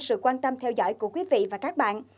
sự quan tâm theo dõi của quý vị và các bạn